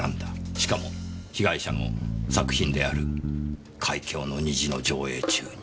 しかも被害者の作品である『海峡の虹』の上映中に。